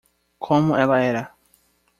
Como ela era?